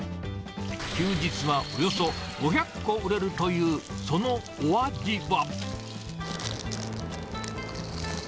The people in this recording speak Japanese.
休日はおよそ５００個売れるという、そのお味は。